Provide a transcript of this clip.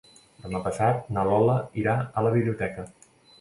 Demà passat na Lola irà a la biblioteca.